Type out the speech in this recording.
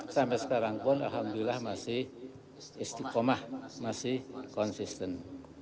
sampai sekarang pun alhamdulillah masih istiqomah masih konsisten